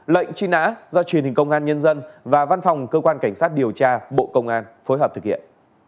lệnh truy nã do truyền hình công an nhân dân và văn phòng cơ quan cảnh sát điều tra bộ công an phối hợp thực hiện